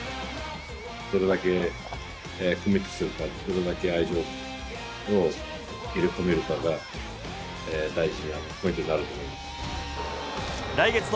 どれだけコミットするか、どれだけ愛情を入れ込めるかが大事なポイントになると思います。